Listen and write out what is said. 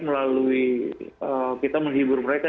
melalui kita menhibur mereka